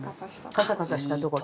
カサカサしたところ。